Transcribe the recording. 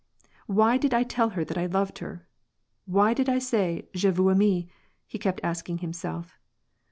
"Why did I tell her that I loved her? why did I say ^je «w« aime ?'" he kept asking himself.